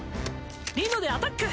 リノでアタック！